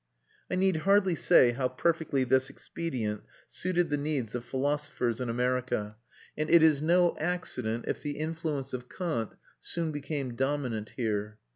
I need hardly say how perfectly this expedient suited the needs of philosophers in America, and it is no accident if the influence of Kant soon became dominant here.